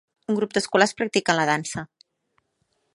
Un grup d'escolars practiquen la dansa.